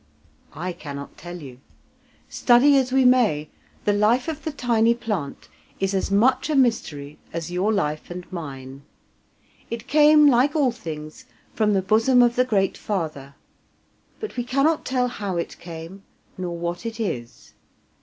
I cannot tell you. Study as we may, the life of the tiny plant is as much a mystery as your life and mine. It came, like all things, from the bosom of the Great Father, but we cannot tell how it came nor what it is.